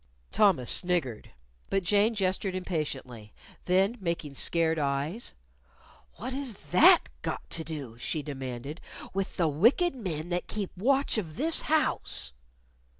Thomas sniggered. But Jane gestured impatiently. Then, making scared eyes, "What has that got to do," she demanded, "_with the wicked men that keep watch of this house?